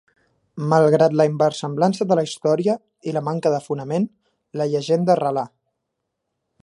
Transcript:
Malgrat la inversemblança de la història i la manca de fonament, la llegenda arrelà.